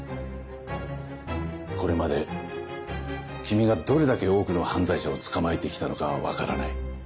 これまで君がどれだけ多くの犯罪者を捕まえて来たのかは分からない。